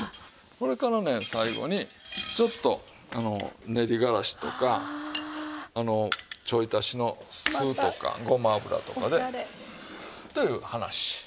それからね最後にちょっと練り辛子とかちょい足しの酢とかごま油とかでっていう話。